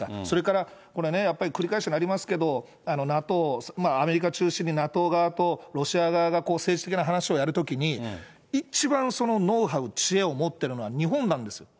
それからこれね、繰り返しになりますけれども、ＮＡＴＯ、アメリカ中心にＮＡＴＯ側とロシア側が政治的な話をやるときに、一番ノウハウ、知恵を持ってるのは日本なんです。